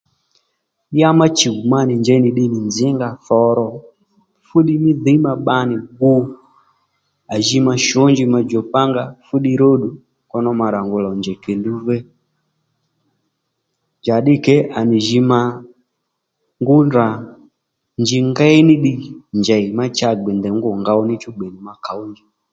Ya ma chùw ma nì njěy nì ddiy nì nzǐ nga thǒ ro fú ddiy mí dhǐy ma bba nì gu à ji ma shǔ nji ma djòkpánga fú ddiy ró ddu kónó ma rà ngu rà lòw njèy kèndú ve njà ddí kě à nì jǐ ma ngú ra nji ngéy ní ddiy njèy ma cha gbè ndèy ngú ngow ní chú gbè nì ma kǒw nji